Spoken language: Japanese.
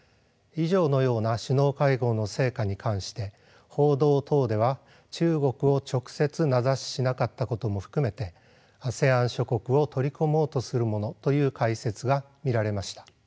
以上のような首脳会合の成果に関して報道等では中国を直接名指ししなかったことも含めてＡＳＥＡＮ諸国を取り込もうとするものという解説が見られました。